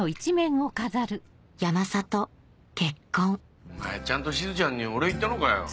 山里結婚お前ちゃんとしずちゃんにお礼言ったのかよ？